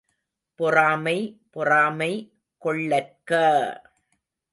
பொறாமை பொறாமை கொள்ளற்க!